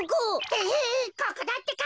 ヘヘここだってか。